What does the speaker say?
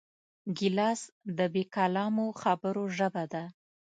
ګیلاس د بېکلامو خبرو ژبه ده.